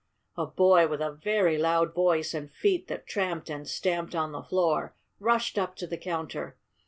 A boy with a very loud voice and feet that tramped and stamped on the floor rushed up to the counter.